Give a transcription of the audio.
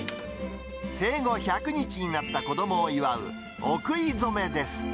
生後１００日になった子どもを祝うお食い初めです。